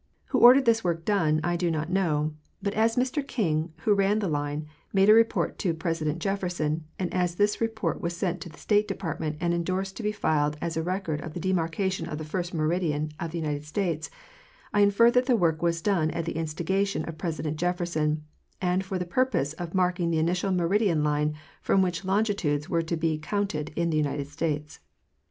Who ordered this work done I do not know; but as Mr King, who ran the line, made a report to President Jefferson, and as this re port was sent to the State Department and endorsed to be filed as a record of the demarcation of the first meridian of the United States, I infer that the work was done at the instigation of Presi dent Jefferson and for the purpose of marking the initial me ridian line from which longitudes were to be counted in the United States.